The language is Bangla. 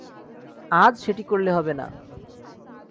আজ সেটি করলে হবে না।